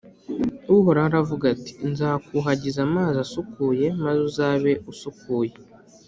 Uhoraho aravuga ati nzakuhagiza amazi asukuye maze uzabe usukuye